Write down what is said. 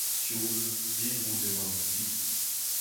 Sioul, didrouz, e oa an ti.